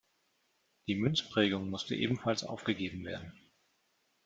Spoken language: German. Die Münzprägung musste ebenfalls aufgegeben werden.